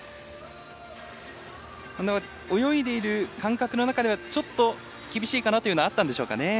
泳いでいる感覚の中ではちょっと厳しいかなというのがあったんでしょうかね。